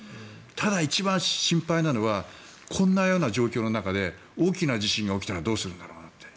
ただ、一番心配なのはこんな状況の中で大きな地震が起きたらどうするんだろうなって。